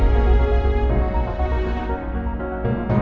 mama ini biggest problem ya